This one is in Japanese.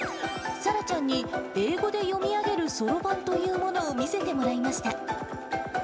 さらちゃんに、英語で読み上げるそろばんというものを見せてもらいました。